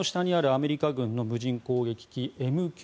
アメリカ軍の無人攻撃機ＭＱ